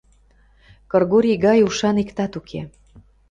Кыргорий гай ушан иктат уке.